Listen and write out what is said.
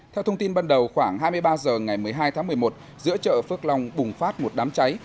theo thông tin ban đầu khoảng hai mươi ba h ngày một mươi hai tháng một mươi một giữa chợ phước long bùng phát một đám cháy